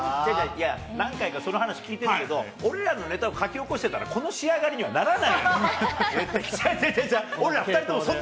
いや、何回かその話聞いてるけど、俺らのネタを書き起こしてたらこの仕上がりにはならないの違う違う。